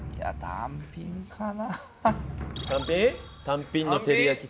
単品のてりやき